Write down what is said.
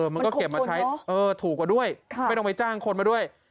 มันก็เก็บมาใช้ถูกกว่าด้วยไม่ต้องไปจ้างคนมาด้วย